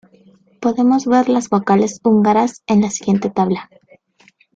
Podemos ver las vocales húngaras en la siguiente tabla.